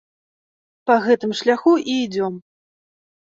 Па гэтым шляху і ідзём.